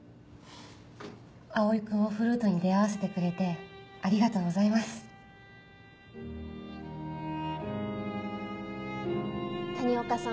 蒼君をフルートに出合わせてくれてありがとうございます谷岡さん